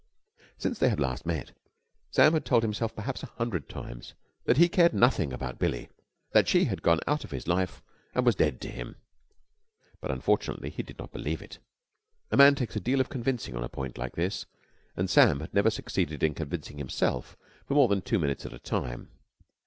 Since they had last met, Sam had told himself perhaps a hundred times that he cared nothing about Billie, that she had gone out of his life and was dead to him; but unfortunately he did not believe it. A man takes a deal of convincing on a point like this, and Sam had never succeeded in convincing himself for more than two minutes at a time.